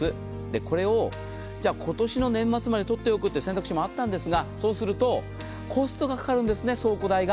これをじゃあ今年の年末まで取っておくという選択肢もあったんですが、そうするとコストがかかるんですね、倉庫代が。